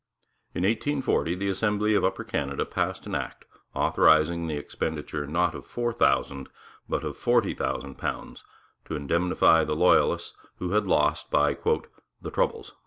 In 1840 the Assembly of Upper Canada passed an Act authorizing the expenditure not of four thousand, but of forty thousand pounds, to indemnify the loyalists who had lost by the 'troubles.'